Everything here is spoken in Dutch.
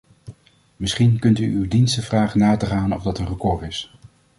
Misschien kunt u uw diensten vragen na te gaan of dat een record is.